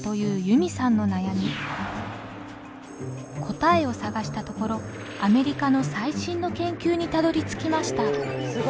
答えを探したところアメリカの最新の研究にたどりつきました。